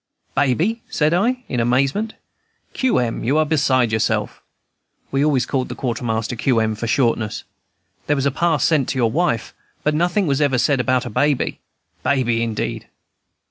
"Baby!" said I, in amazement. "Q. M., you are beside yourself." (We always called the Quartermaster Q. M. for shortness.) "There was a pass sent to your wife, but nothing was ever said about a baby. Baby indeed!"